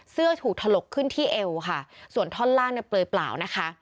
เสื้อถูกถลกขึ้นที่เอวค่ะส่วนท่อนล่างเปลือเปล่านะคะ